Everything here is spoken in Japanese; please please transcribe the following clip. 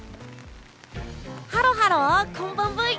ハロハロこんばんブイ！